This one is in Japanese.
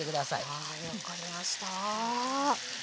はい分かりました。